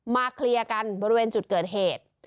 เคลียร์กันบริเวณจุดเกิดเหตุ